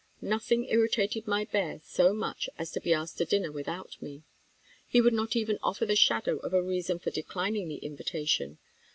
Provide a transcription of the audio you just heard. Nothing irritated my bear so much as to be asked to dinner without me. He would not even offer the shadow of a reason for declining the invitation.